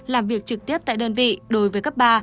làm việc trực tiếp tại đơn vị đối với cấp ba